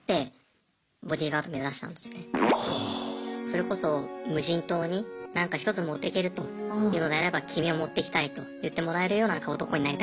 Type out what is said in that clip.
それこそ無人島になんか１つ持っていけるというのであれば君を持っていきたいと言ってもらえるような男になりたいなと思ってました。